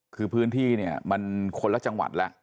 คือพื้นที่เนี่ยมันคนละจังหวัดแล้ว